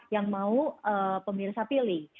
yang mau pemirsa pilih